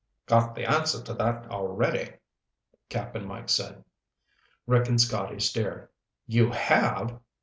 "Got the answer to that already," Cap'n Mike said. Rick and Scotty stared. "You have?"